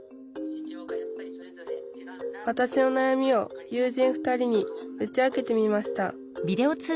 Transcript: わたしのなやみを友人２人に打ち明けてみました